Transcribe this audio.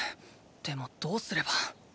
でもどうすれば。